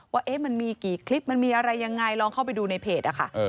ว่ามันมีกี่คลิปมันมีอะไรยังไงลองเข้าไปดูในเพจนะคะ